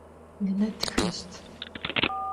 Line txeşt.